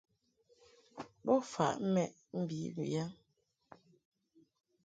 Bo faʼ mɛʼ mbi mbiyaŋ.